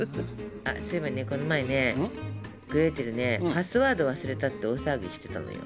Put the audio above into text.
あっそういえばねこの前ねグレーテルねパスワード忘れたって大騒ぎしてたのよ。